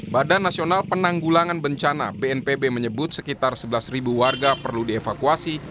badan nasional penanggulangan bencana bnpb menyebut sekitar sebelas warga perlu dievakuasi